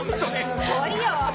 すごいよ。